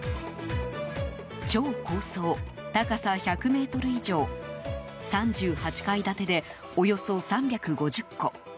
超高層、高さ１００ｍ以上３８階建てで、およそ３５０戸。